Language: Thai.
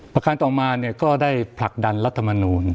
ประการต่อมาเนี่ยก็ได้ผลักดันรัฐมนูล